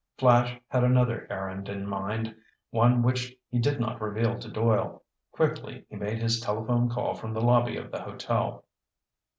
Flash had another errand in mind, one which he did not reveal to Doyle. Quickly he made his telephone call from the lobby of the hotel.